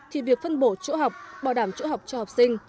thì việc phân bổ chỗ học bảo đảm chỗ học cho học sinh